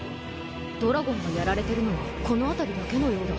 ドラゴンがやられてるのはこの辺りだけのようだ。